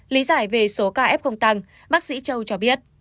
lý giải về số ca f tăng bác sĩ châu cho biết